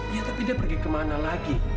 ya tapi dia pergi kemana lagi